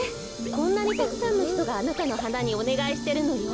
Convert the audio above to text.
こんなにたくさんのひとがあなたのはなにおねがいしてるのよ。